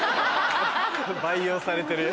培養されてる役。